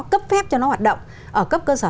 cấp phép cho nó hoạt động ở cấp cơ sở